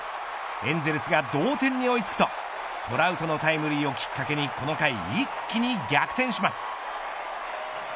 エンゼルスが同点に追い付くとトラウトのタイムリーをきっかけにこの回、一気に逆転します。